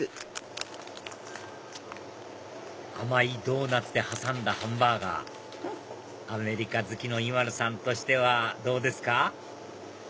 甘いドーナツで挟んだハンバーガーアメリカ好きのＩＭＡＬＵさんとしてはどうですか？